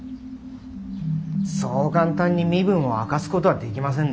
そう簡単に身分を明かすことはできませんな。